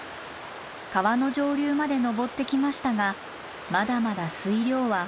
川の上流まで登ってきましたがまだまだ水量は豊富です。